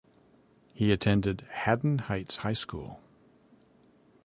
He attended Haddon Heights High School.